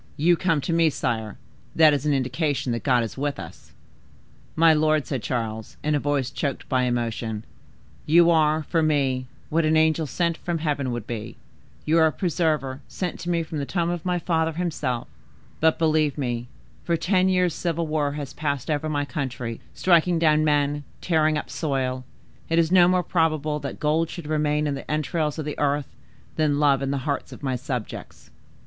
You come to me, sire; that is an indication that God is with us." "My lord," said Charles, in a voice choked by emotion, "you are, for me, what an angel sent from heaven would be,—you are a preserver sent to me from the tomb of my father himself; but, believe me, for ten years' civil war has passed over my country, striking down men, tearing up soil, it is no more probable that gold should remain in the entrails of the earth, than love in the hearts of my subjects."